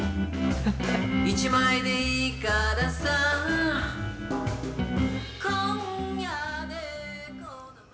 「一枚でいいからさ」「今夜でこの」